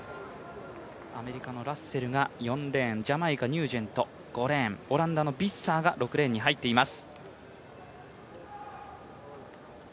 アメリカのラッセルが４レーン、ジャマイカ、ニュージェントが５レーン、オランダのビッサーが６レーンに入っています。